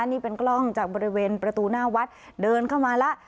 นี่เป็นกล้องจากบริเวณประตูหน้าวัดเดินเข้ามาแล้ว